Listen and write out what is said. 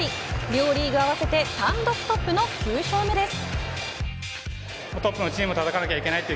両リーグ合わせて単独トップの９勝目です。